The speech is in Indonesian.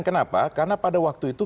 kenapa karena pada waktu itu